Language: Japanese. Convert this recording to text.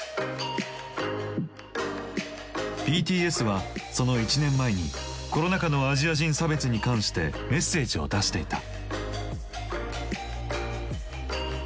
ＢＴＳはその１年前にコロナ禍のアジア人差別に関してメッセージを出していた。